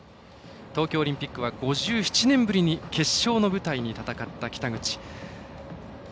東京オリンピックは５７年ぶりに決勝の舞台で戦った北口。